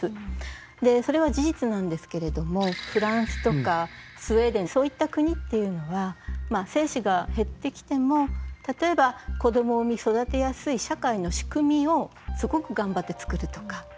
それは事実なんですけれどもフランスとかスウェーデンそういった国っていうのは精子が減ってきても例えば子どもを産み育てやすい社会の仕組みをすごく頑張って作るとか。